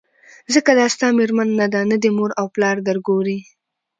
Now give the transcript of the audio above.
ځکه دا ستا مېرمن نه ده نه دي مور او پلار درګوري